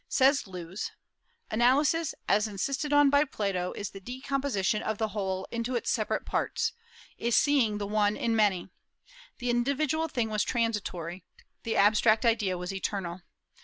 Says Lewes: "Analysis, as insisted on by Plato, is the decomposition of the whole into its separate parts, is seeing the one in many.... The individual thing was transitory; the abstract idea was eternal.